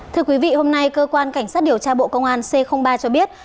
thưa quý vị hôm nay cơ quan cảnh sát điều tra bộ công an c ba cho biết